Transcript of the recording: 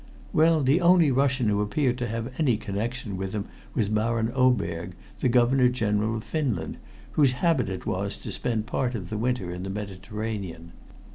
"Well, the only Russian who appeared to have any connection with them was Baron Oberg, the Governor General of Finland, whose habit it was to spend part of the winter in the Mediterranean.